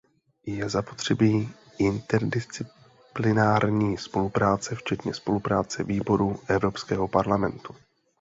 Je zapotřebí interdisciplinární spolupráce včetně spolupráce výborů Evropského parlamentu.